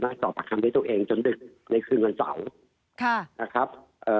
สอบปากคำด้วยตัวเองจนดึกในคืนวันเสาร์ค่ะนะครับเอ่อ